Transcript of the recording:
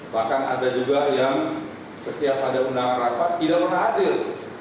bahkan ada juga yang setiap ada undangan rapat tidak pernah hadir